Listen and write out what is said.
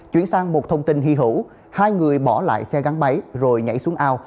chuyển sang một thông tin hy hữu hai người bỏ lại xe gắn máy rồi nhảy xuống ao